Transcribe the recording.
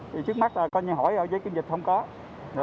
thì trước mắt con nhìn hỏi giấy kiểm dịch không có